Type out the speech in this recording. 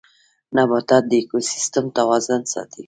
نباتات د ايکوسيستم توازن ساتي